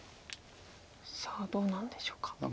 さあどうなるんでしょうか。